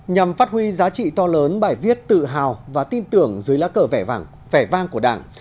nhằm phát huy giá trị to lớn bài viết tự hào và tin tưởng dưới lá cờ vẻ vang của đảng